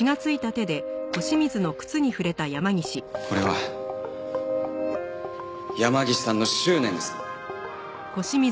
これは山岸さんの執念です。